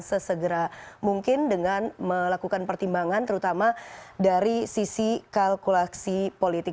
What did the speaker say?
sesegera mungkin dengan melakukan pertimbangan terutama dari sisi kalkulasi politik